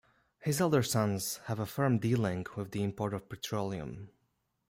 His elder sons have a firm dealing with the import of petroleum.